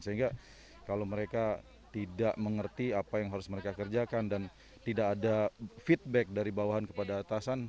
sehingga kalau mereka tidak mengerti apa yang harus mereka kerjakan dan tidak ada feedback dari bawahan kepada atasan